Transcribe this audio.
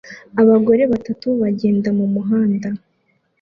Abagore batatu bagenda mumuhanda